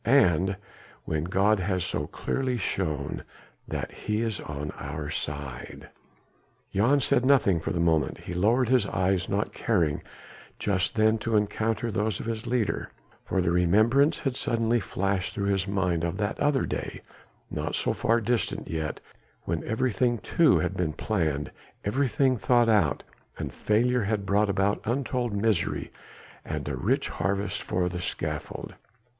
and when God has so clearly shown that He is on our side?" Jan said nothing for the moment; he lowered his eyes not caring just then to encounter those of his leader, for the remembrance had suddenly flashed through his mind of that other day not so far distant yet when everything too had been planned, everything thought out and failure had brought about untold misery and a rich harvest for the scaffold.